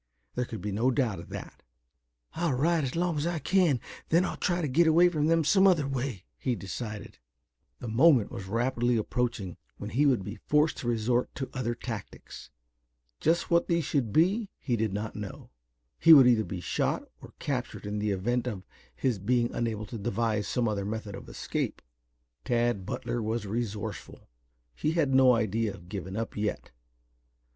There could be no doubt of that. "I'll ride as long as I can, then I'll try to get away from them some other way," he decided. The moment was rapidly approaching when he would be forced to resort to other tactics. Just what these should be he did not know. He would either be shot or captured in the event of his being unable to devise some other method of escape. Tad Butler was resourceful. He had no idea of giving up yet.